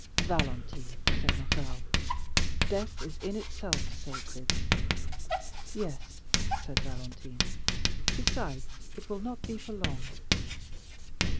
"Valentine," said Morrel, "death is in itself sacred." "Yes," said Valentine; "besides, it will not be for long."